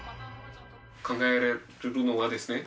考えられるのはですね